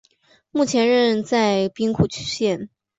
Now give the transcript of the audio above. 目前住在兵库县。